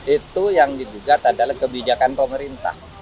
itu yang digugat adalah kebijakan pemerintah